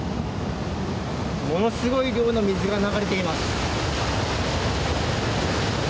ものすごい量の水が流れています。